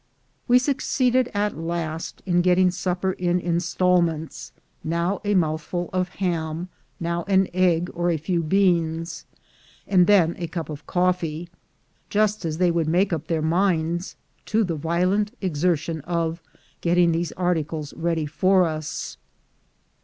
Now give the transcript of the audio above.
We succeeded at last in getting supper in instalments — now a mouth ful of ham, now an egg or a few beans, and then a cup of coffee, just as they would make up their minds to the violent exertion of getting these articles ready for us.